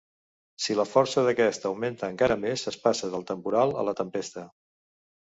Si la força d’aquest augmenta encara més, es passa del temporal a la tempesta.